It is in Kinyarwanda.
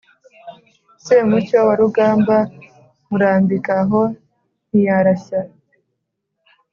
semucyo wa rugamba murambika aho ntiyarashya